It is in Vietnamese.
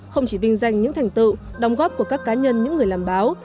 không chỉ vinh danh những thành tựu đồng góp của các cá nhân những người làm báo